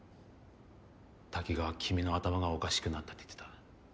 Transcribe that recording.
滝川は君の頭がおかしくなったって言ってた。